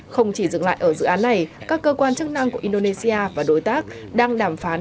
không chỉ dự án này các cơ quan chức năng của indonesia và đối tác đang đàm phán